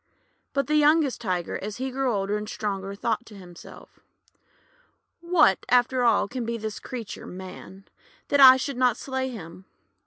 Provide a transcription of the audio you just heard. But the youngest Tiger, as he grew older and stronger, thought to himself: — 'What, after all, can be this creature Man, that I should not slay him?